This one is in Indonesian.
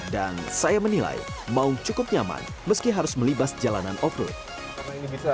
dan saya menilai maung cukup nyaman meski harus melibas jalanan off road